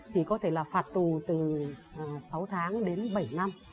thì có thể là phạt tù từ sáu tháng đến bảy năm